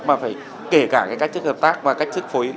mà phải kể cả các chức hợp tác và các chức phối